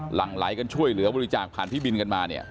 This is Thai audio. หลั่งไหลกันช่วยเหลือบริจาคคันพิบินกันมา